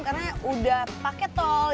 karena udah paket tol